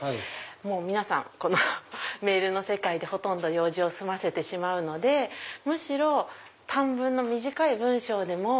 皆さんメールの世界で用事を済ませてしまうのでむしろ短文の短い文章でも。